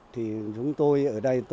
thì chúng tôi ở đây tôi rất lâu